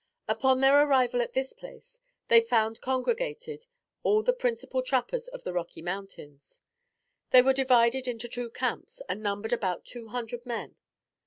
Upon their arrival at this place, they found congregated, all the principal trappers of the Rocky Mountains. They were divided into two camps, and numbered about two hundred men.